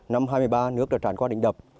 năm hai mươi ba nước đã tràn qua đỉnh đập